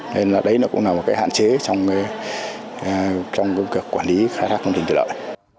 nên là đấy cũng là một hạn chế trong quản lý khai thác công trình thủy lợi